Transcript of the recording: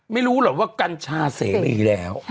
ไม่รู้หรอกว่ากัญชาเสรีแล้ว